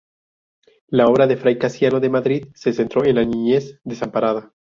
La obra de Fray Casiano de Madrid se centró en la niñez desamparada.